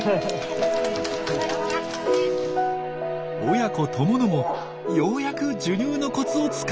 親子ともどもようやく授乳のコツをつかんだみたい。